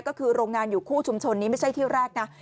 ก็คือโรงงานอยู่คู่ชุมชนนี้ไม่ใช่ที่แรกนะ